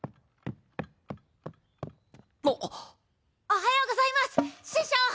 おはようございます師匠。